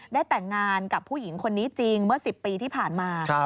ได้แต่งงานกับผู้หญิงคนนี้จริงเมื่อ๑๐ปีที่ผ่านมา